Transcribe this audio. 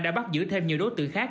đã bắt giữ thêm nhiều đối tượng khác